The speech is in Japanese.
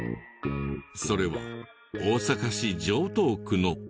それは大阪市城東区の。